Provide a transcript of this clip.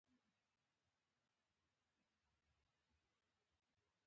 فکر کېږي چې دواړو په حجاز کې له جمال پاشا سره کتلي دي.